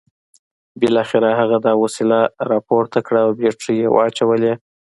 بالاخره هغه دا وسیله راپورته کړه او بیټرۍ یې واچولې